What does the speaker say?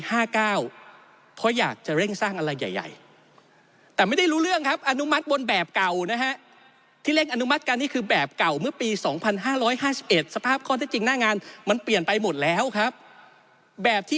เพราะอยากจะเร่งสร้างอะไรใหญ่แต่ไม่ได้รู้เรื่องครับ